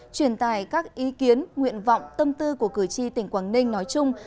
truyền tài các ý kiến nguyện vọng tâm tư của cử tri tỉnh quảng ninh nói chung